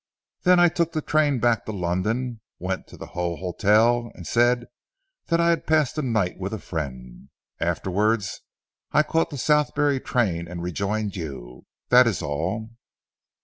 Then I took the train back to London, went to the Hull Hotel, and said that I had passed the night with a friend. Afterwards I caught the Southberry train and rejoined you. That is all."